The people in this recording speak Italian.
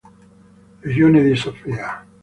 Regione di Sofia